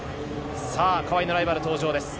川井のライバル登場です。